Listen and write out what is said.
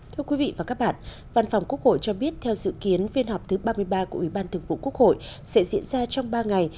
thưa quý vị và các bạn văn phòng quốc hội cho biết theo dự kiến phiên họp thứ ba mươi ba của ủy ban thường vụ quốc hội sẽ diễn ra trong ba ngày